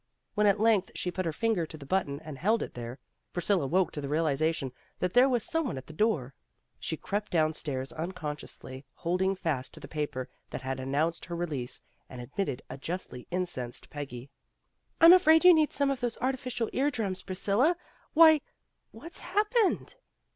When at length she put her finger to the button and held it there, Priscilla woke to the realization that there was some one at the door. She crept downstairs, unconsciously holding fast to the paper that had announced her release, and admitted a justly incensed Peggy. "I'm afraid you need some of those artificial ear drums, Priscilla Why, what's hap pened?"